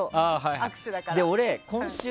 握手だから。